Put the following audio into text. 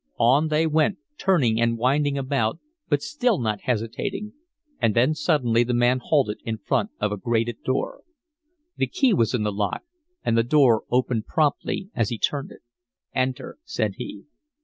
On they went, turning and winding about, but still not hesitating. And then suddenly the man halted in front of a grated door. The key was in the lock and the door opened promptly as he turned it. "Enter," said he.